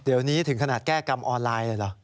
เดี๋ยวนี้ถึงขนาดแก้กรรมออนไลน์เลยเหรอ